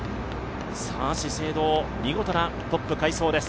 資生堂、見事なトップ快走です。